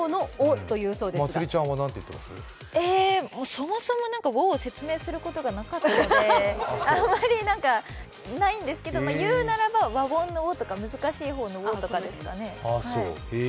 そもそも「を」を説明することがなかったのであまりないんですけど、言うならば、わをんの「を」とか難しい方の「を」とかですかね。